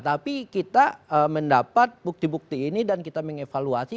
tapi kita mendapat bukti bukti ini dan kita mengevaluasi